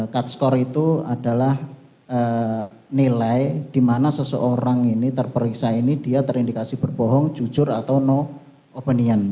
cut score itu adalah nilai di mana seseorang ini terperiksa ini dia terindikasi berbohong jujur atau no opinion